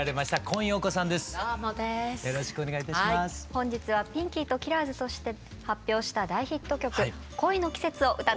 本日はピンキーとキラーズとして発表した大ヒット曲「恋の季節」を歌って頂きます。